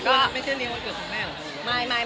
คุณไม่เคยเรียกวันเกิดคุณแม่หรอคุณ